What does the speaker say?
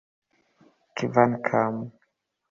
kvankam